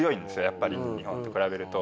やっぱり日本と比べると。